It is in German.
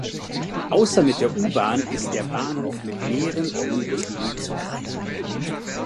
Außer mit der U-Bahn ist der Bahnhof mit mehreren Omnibus-Linien zu erreichen.